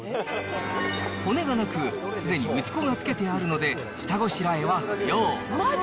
骨がなく、すでに打ち粉がつけてあるので下ごしらえは不要。